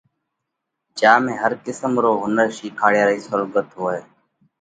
جيا ۾ هر قسم رو هُنر شِيکاڙيا رئِي سئُولڳت هوئہ۔